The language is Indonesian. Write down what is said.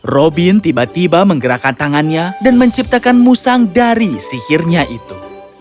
robin tiba tiba menggerakkan tangannya dan menciptakan musang dari sihirnya itu